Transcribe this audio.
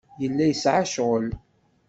Yella yesɛa ccɣel.